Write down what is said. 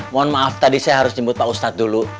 mohon maaf tadi saya harus jemput pak ustadz dulu